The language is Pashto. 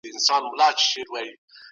دوی د تاريخي اثارو د ساتنې په اړه ږغيدل.